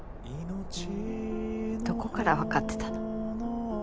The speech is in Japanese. どこからわかってたの？